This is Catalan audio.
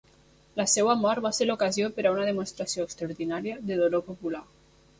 La seva mort va ser l'ocasió per a una demostració extraordinària de dolor popular.